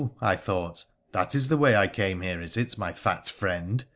I thought, ' that is the way I came here, is it, my fat friend